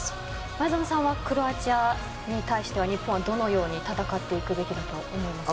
前園さんはクロアチアに対しては日本はどのように戦っていくべきだと思いますか？